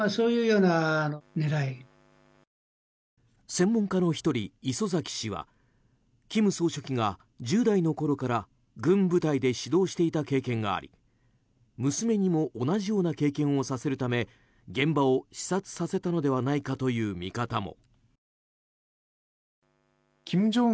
専門家の１人、礒崎氏は金総書記が１０代のころから軍部隊で指導していた経験があり娘にも同じような経験をさせるため現場を視察させたのではないかという見方も。